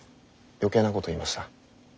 余計なこと言いました。